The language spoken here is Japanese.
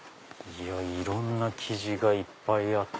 いろんな生地がいっぱいあって。